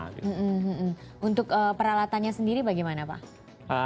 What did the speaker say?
untuk peralatannya sendiri bagaimana pak